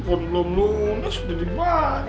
ma pun belum lunas udah dimati